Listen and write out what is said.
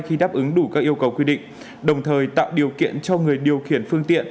thì luôn thực hiện năm k